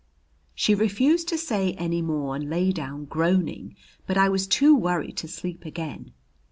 She refused to say any more and lay down groaning. But I was too worried to sleep again.